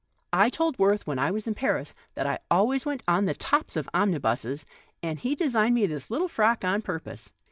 I told Worth when I was in Paris that I always went on the tops of omnibuses, and he designed me this little frock on pur pose.